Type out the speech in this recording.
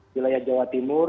di wilayah jawa tenggara